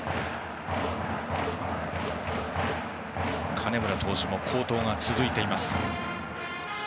金村投手も好投が続いています。